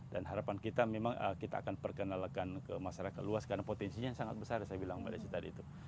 dan harapan kita memang kita akan perkenalkan ke masyarakat luas karena potensinya sangat besar ya saya bilang pada cerita tadi itu